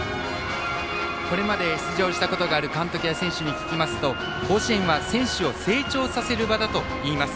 これまで出場したことがある監督や選手に聞きますと甲子園は選手を成長させる場だといいます。